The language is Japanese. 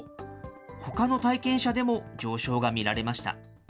ほかの体験者でも上昇がみられました。